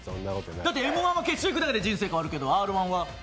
だって「Ｍ‐１」は決勝行くだけで人生変わるけど「Ｒ‐１」は。